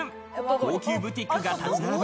高級ブティックが立ち並ぶ